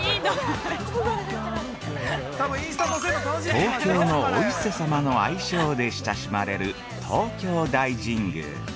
◆「東京のお伊勢様」の愛称で親しまれる「東京大神宮」。